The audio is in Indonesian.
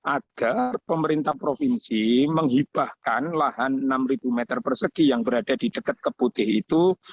agar pemerintah provinsi menghibahkan lahan enam meter persegi yang berada di dekat keputih itu